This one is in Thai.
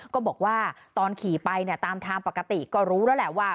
ก็บอกว่าตอนขี่ไปเนี่ยตามทางปกติก็รู้แล้วแหละว่า